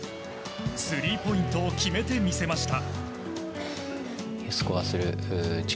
スリーポイントを決めてみせました。